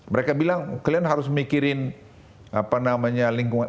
mereka bilang kalian harus mikirin lingkungan